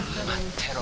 てろ